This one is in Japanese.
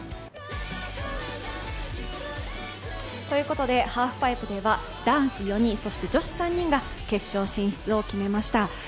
ということでハーフパイプでは男子４人、女子３人が決勝進出を決めました。